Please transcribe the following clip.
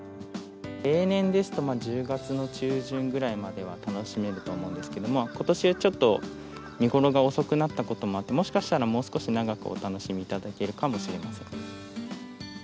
例年ですと、１０月の中旬ぐらいまでは楽しめると思うんですけれども、ことしはちょっと見頃が遅くなったこともあって、もしかしたらもう少し長くお楽しみいただけるかもしれません。